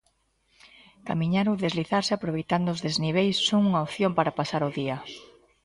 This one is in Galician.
Camiñar ou deslizarse aproveitando os desniveis son unha opción para pasar o día.